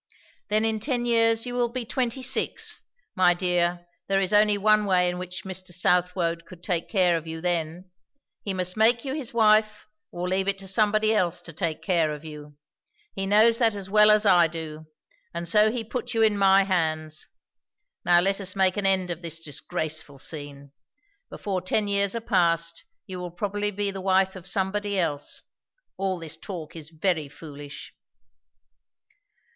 "Then in ten years you will be twenty six. My dear, there is only one way in which Mr. Southwode could take care of you then; he must make you his wife, or leave it to somebody else to take care of you. He knows that as well as I do; and so he put you in my hands. Now let us make an end of this disgraceful scene. Before ten years are past, you will probably be the wife of somebody else. All this talk is very foolish."